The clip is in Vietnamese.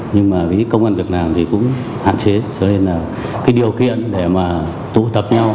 nhưng mà cái công an việc làm thì cũng hạn chế cho nên là cái điều kiện để mà tụ tập nhau